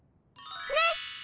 ねっ！